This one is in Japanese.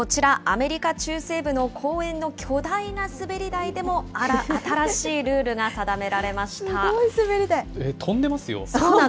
アメリカ中西部の公園の巨大な滑り台でも、新しいルールが定めらすごい滑り台。